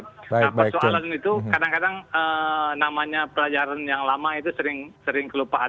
nah persoalan itu kadang kadang namanya pelajaran yang lama itu sering kelupaan